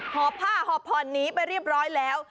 หอบผ้าหอบผ่อนนี้ไปเรียบร้อยแล้ว